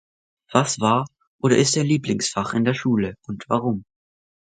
Was war oder ist dein Lieblingsfach in der Schule? Und warum?